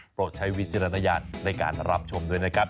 ปลอดใช้วิจิระนัยะห์รับฉมด้วยนะครับ